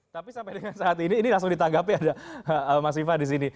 tapi sampai dengan saat ini ini langsung ditanggapi ada mas viva di sini